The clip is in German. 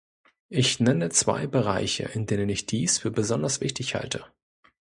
Ich nenne zwei Bereiche, in denen ich dies für besonders wichtig halte.